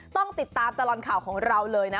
ต้องติดตามตลอดข่าวของเราเลยนะ